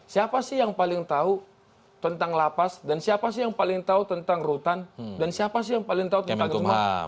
siapa sih yang paling tahu tentang lapas dan siapa sih yang paling tahu tentang rutan dan siapa sih yang paling tahu tentang itu